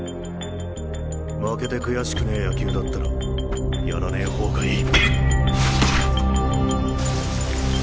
負けて悔しくねぇ野球だったらやらねぇ方がいい。